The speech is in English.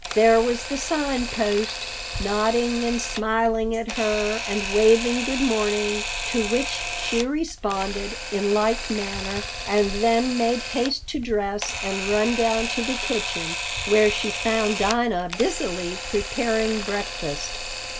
There was the Sign Post, nodding and smiling at her, and waving good morning, to which she responded in like manner, and then made haste to dress and ran down to the kitchen, where she found Dinah busily preparing breakfast.